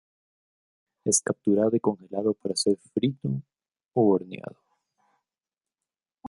Es capturado y congelado para ser frito o horneado.